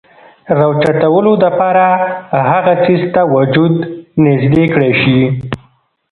راوچتولو د پاره هغه څيز ته وجود نزدې کړے شي ،